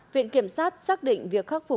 viện kiểm sát xác định việc khắc phục hậu quả